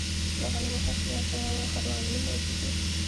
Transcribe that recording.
د غنمو حاصلات په خروارونو موجود وي